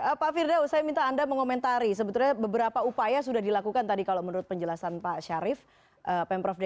oke pak firdaus saya minta anda mengomentari sebetulnya beberapa upaya sudah dilakukan tadi kalau menurut penjelasan pak syarif pemprov dki